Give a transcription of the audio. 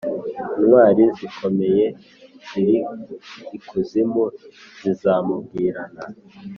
Intwari zikomeye ziri ikuzimu zizamubwirana